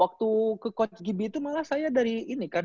waktu ke coach gibi itu malah saya dari ini kan